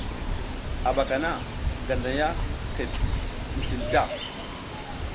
A ɓaka na Ganday a kiɗ mi slin ta.